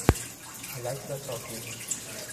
الک و صافی